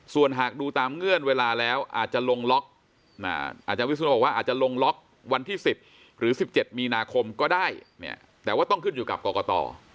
ส่วนหากดูตามเงื่อนเวลาแล้วอาจจะลงล็อกอาจารย์วิศนุบอกว่าอาจจะลงล็อกวันที่๑๐หรือ๑๗มีนาคมก็ได้เนี่ยแต่ว่าต้องขึ้นอยู่กับกรกต